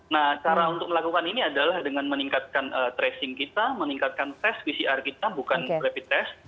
nah cara untuk melakukan ini adalah dengan meningkatkan tracing kita meningkatkan tes pcr kita bukan rapid test